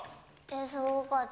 すごかった。